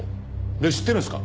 知ってるんですか？